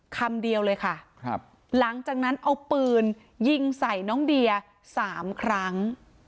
คำเดียวเลยค่ะหลังจากนั้นเอาปืนยิงใส่น้องเดีย๓ครั้ง